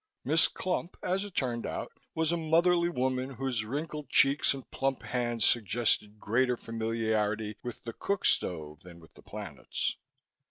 Miss Clump, as it turned out, was a motherly woman whose wrinkled cheeks and plump hands suggested greater familiarity with the cook stove than with the planets.